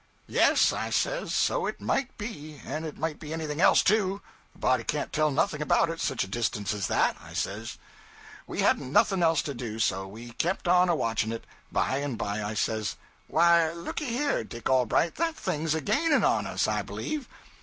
'"Yes," I says, "so it might be, and it might be anything else, too; a body can't tell nothing about it, such a distance as that," I says. 'We hadn't nothing else to do, so we kept on watching it. By and by I says '"Why looky here, Dick Allbright, that thing's a gaining on us, I believe."